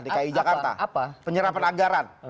di ku jakarta penyerapan anggaran